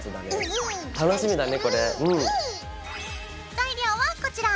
材料はこちら！